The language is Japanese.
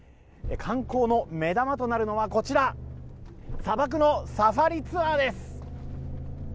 観光の目玉となるのは、こちら砂漠のサファリツアーです。